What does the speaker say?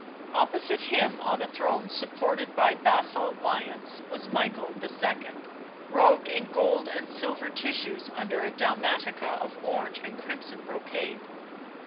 Opposite him on a throne supported by basalt lions was Michael II., robed in gold and silver tissues under a dalmatica of orange and crimson brocade.